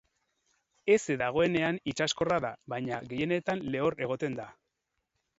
Heze dagoenean itsaskorra da, baina gehienetan lehor egoten da.